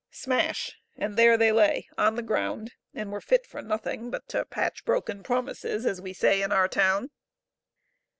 Smash ! and there they lay on the ground, and were fit for nothing but to patch broken promises, as we say in our town.